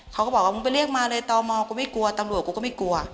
เขาก็บอกว่ามึงไปเรียกมาเลยตมกูไม่กลัวตำรวจกูก็ไม่กลัว